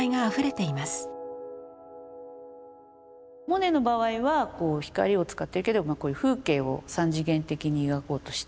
モネの場合はこう光を使ってるけど風景を三次元的に描こうとしてる。